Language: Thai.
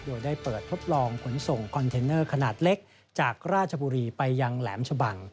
โดยได้เปิดทดลองขนส่งคอนเทนเนอร์ขนาดเล็กจากราชบุรีไปยังแหลมชะบัง